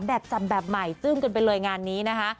แบบจำแบบใหม่จึ้งกันไปเลยงานนี้นะคะ